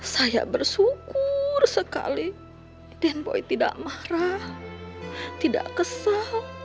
saya bersyukur sekali den boy tidak marah tidak kesal